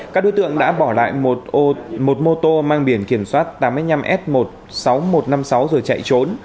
các đối tượng đã bỏ lại một mô tô mang biển kiểm soát tám mươi năm f một mươi sáu nghìn một trăm năm mươi sáu rồi chạy trốn